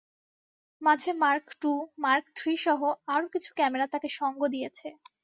মাঝে mark two, mark থ্রিসহ আরও কিছু ক্যামেরা তাঁকে সঙ্গ দিয়েছে।